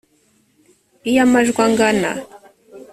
iyo amajwi angana